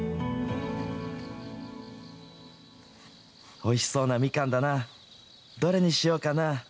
おいしそうなミカンだな、どれにしようかな。